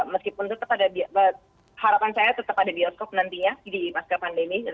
meskipun tetap ada harapan saya tetap ada bioskop nantinya di masa pandemi